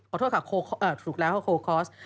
อ่อขอโทษค่ะค่ะถูกแล้วก็โคลคอส